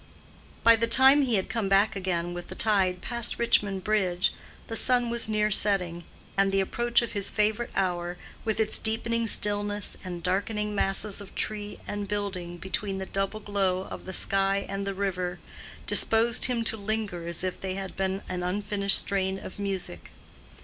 By the time he had come back again with the tide past Richmond Bridge the sun was near setting: and the approach of his favorite hour—with its deepening stillness and darkening masses of tree and building between the double glow of the sky and the river—disposed him to linger as if they had been an unfinished strain of music.